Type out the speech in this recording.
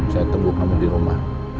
saya tunggu kamu di rumah